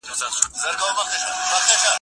منصوره! وه مجنونه! اې اتله! یه سرتېره ګیلهمنه